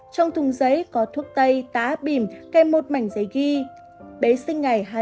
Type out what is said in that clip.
trong thùng giấy có thuốc tay tá bìm kèm một mảnh giấy ghi